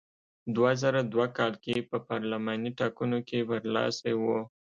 دوه زره دوه کال کې په پارلماني ټاکنو کې برلاسی و.